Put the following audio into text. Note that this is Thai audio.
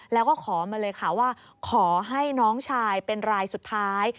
แล้วก็ขอมาเลยค่ะว่าขอให้น้องชายเป็นรายสุดท้าย